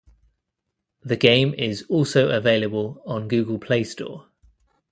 The game is also available on Google Play Store.